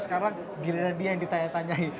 sekarang giliran dia yang ditanya tanyai